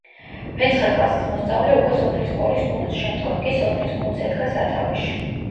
მეცხრე კლასის მოსწავლე უკვე სოფლის სკოლის გუნდს, შემდგომ კი სოფლის გუნდს ედგა სათავეში.